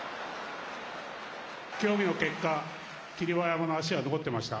協議の結果、霧馬山の足が残っていました。